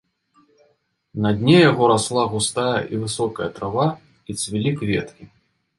На дне яго расла густая і высокая трава і цвілі кветкі.